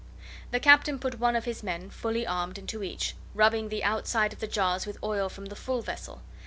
The Captain put one of his men, fully armed, into each, rubbing the outside of the jars with oil from the full vessel.